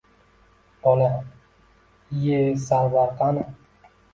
Bola: iye Sarvar kani?